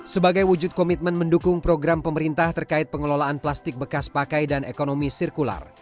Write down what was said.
sebagai wujud komitmen mendukung program pemerintah terkait pengelolaan plastik bekas pakai dan ekonomi sirkular